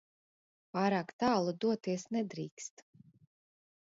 Pārāk tālu doties nedrīkst.